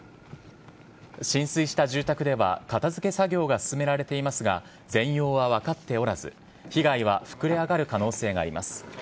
浸水した住宅では、片づけ作業が進められていますが、全容は分かっておらず、被害は膨れ上がる可能性があります。